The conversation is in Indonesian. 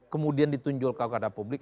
kemudian ditunjul kepada publik